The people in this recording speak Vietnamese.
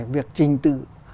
việc trình tự